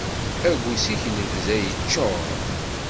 Aggus-ik lebda yeččur.